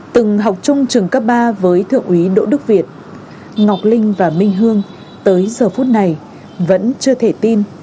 từng học chung trường cấp ba với thượng úy đỗ đức việt ngọc linh và minh hương tới giờ phút này vẫn chưa thể tin